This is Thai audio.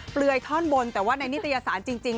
เปลือยท่อนบนแต่ว่าในนิตยสารจริง